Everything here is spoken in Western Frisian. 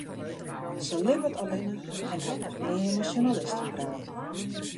Sy libbet allinnich en hat noch nea mei sjoernalisten praat.